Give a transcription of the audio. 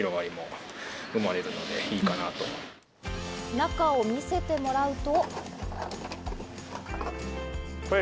中を見せてもらうと。